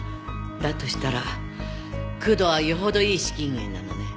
だとしたら工藤はよほどいい資金源なのね。